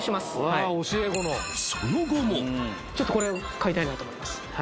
はいちょっとこれ買いたいなと思います